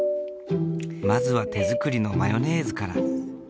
まずは手作りのマヨネーズから。